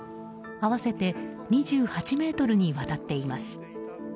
合わせて２８ｍにわたっています。